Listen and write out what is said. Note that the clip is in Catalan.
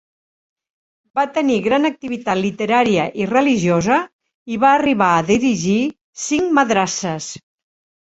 Va tenir gran activitat literària i religiosa i va arribar a dirigir cinc madrasses.